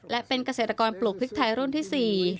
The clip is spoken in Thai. และเป็นเกษตรกรปลูกพริกไทยรุ่นที่๔